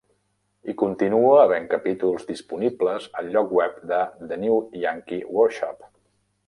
Hi continua havent capítols disponibles al lloc web de The New Yankee Workshop.